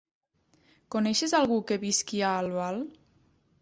Coneixes algú que visqui a Albal?